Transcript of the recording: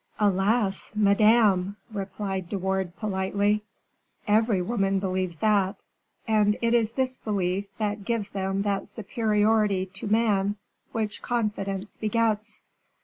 "Alas! Madame," replied De Wardes, politely, "every woman believes that; and it is this belief that gives them that superiority to man which confidence begets."